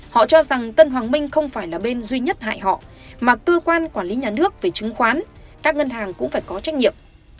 họ cho rằng tân hoàng minh không phải là bên duy nhất hại họ mà cơ quan quản lý nhà nước về chứng khoán các ngân hàng cũng phải có trách nhiệm